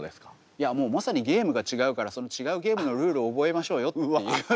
いやもうまさにゲームが違うからその違うゲームのルール覚えましょうよっていう。